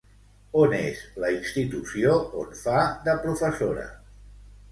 On és la institució on fa de professora?